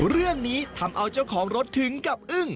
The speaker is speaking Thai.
เรื่องนี้ทำเอาเจ้าของรถถึงกับอึ้ง